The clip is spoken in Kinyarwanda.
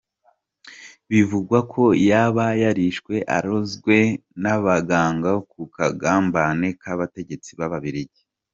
Bivugwa ko yaba yarishwe arozwe n’abaganga ku kagambane k’abategetsi b’Ababiligi.